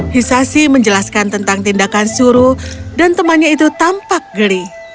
hisashi menjelaskan tentang tindakan suruh dan temannya itu tampak geli